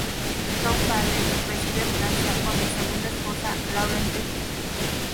Tom Bailey reside en Francia, con su segunda esposa Lauren Drescher.